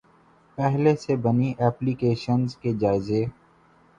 پہلے سے بنی ایپلی کیشنز کے جائزے